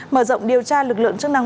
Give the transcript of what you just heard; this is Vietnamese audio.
mở rộng điều tra lực lượng chức năng